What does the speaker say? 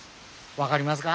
分がりますか？